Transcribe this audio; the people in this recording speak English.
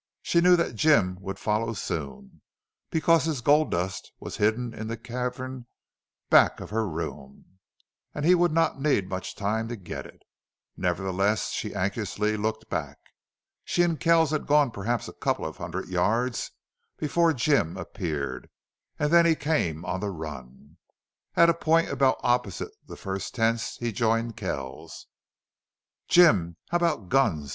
She knew that Jim would follow soon, because his gold dust was hidden in the cavern back of her room, and he would not need much time to get it. Nevertheless, she anxiously looked back. She and Kells had gone perhaps a couple of hundred yards before Jim appeared, and then he came on the run. At a point about opposite the first tents he joined Kells. "Jim, how about guns?"